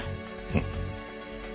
うん。